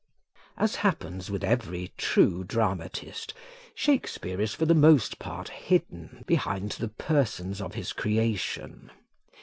As happens with every true dramatist, Shakespeare is for the most part hidden behind the persons of his creation.